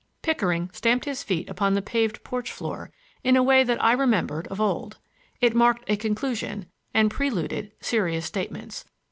Pickering stamped his feet upon the paved porch floor in a way that I remembered of old. It marked a conclusion, and preluded serious statements.